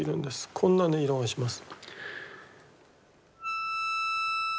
こんな音色がします。